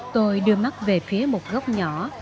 tôi đưa mắt về phía một góc nhỏ